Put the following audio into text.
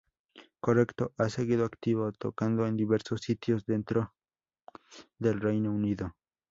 Correcto ha seguido activo, tocando en diversos sitios dentro del Reino Unido.